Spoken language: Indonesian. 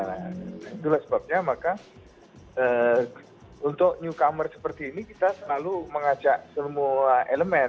nah itulah sebabnya maka untuk newcomer seperti ini kita selalu mengajak semua elemen